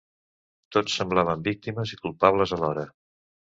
Tots semblaven víctimes i culpables alhora.